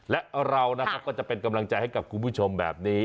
และเรานะครับก็จะเป็นกำลังใจให้กับคุณผู้ชมแบบนี้